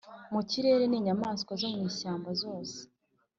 mu kirere n’inyamaswa zo mu ishyamba zose